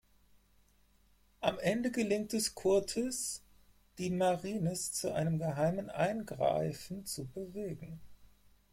Am Ende gelingt es Curtis, die Marines zu einem geheimen Eingreifen zu bewegen.